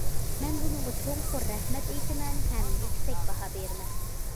مەن بۇنىڭغا چوڭقۇر رەھمەت ئېيتىمەن ھەم يۈكسەك باھا بېرىمەن.